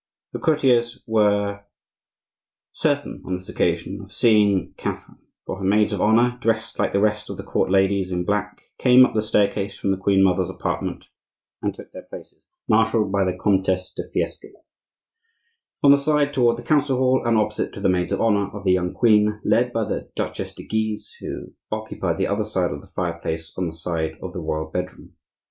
The courtiers were certain on this occasion of seeing Catherine, for her maids of honor, dressed like the rest of the court ladies, in black, came up the staircase from the queen mother's apartment, and took their places, marshalled by the Comtesse de Fiesque, on the side toward the council hall and opposite to the maids of honor of the young queen, led by the Duchesse de Guise, who occupied the other side of the fireplace on the side of the royal bedroom.